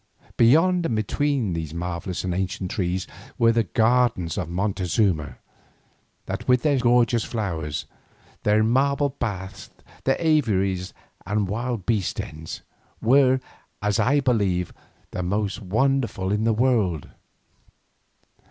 Beyond and between these marvellous and ancient trees were the gardens of Montezuma, that with their strange and gorgeous flowers, their marble baths, their aviaries and wild beast dens, were, as I believe, the most wonderful in the whole world.